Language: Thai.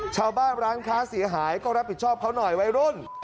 ชาวบ้านร้านค้าเสียหายก็รับผิดชอบเขาหน่อยวัยรุ่น